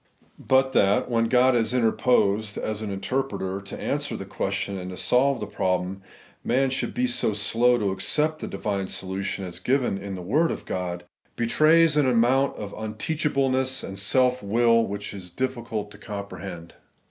But that, when God has interposed, as an inter preter, to answer the question and to solve the problem, man should be so slow to accept the divine solution as given in the word of God, betrays an amount of imteachableness and self will which it is difficult to comprehend.